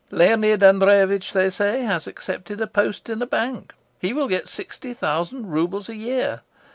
Leonid Andreyevitch, they say, has accepted a post in a bank; he will get sixty thousand roubles a year....